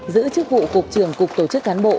giữ chức vụ cục trưởng cục tổ chức cán bộ